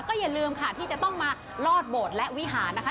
อย่าลืมค่ะที่จะต้องมาลอดโบสถ์และวิหารนะคะ